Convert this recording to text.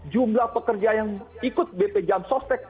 jumlah pekerja yang ikut bp jam sostek